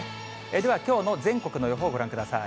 ではきょうの全国の予報をご覧ください。